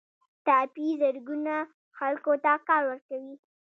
ټاپي زرګونه خلکو ته کار ورکوي